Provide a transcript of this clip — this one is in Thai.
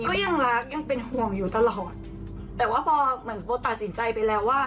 ก็ยังรักยังเป็นห่วงอยู่ตลอดแต่ว่าพอเหมือนโบตัดสินใจไปแล้วว่า